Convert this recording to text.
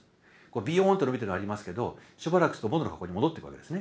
ビヨーンって伸びてるのありますけどしばらくすると元の格好に戻っていくわけですね。